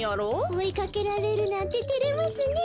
おいかけられるなんててれますねえ。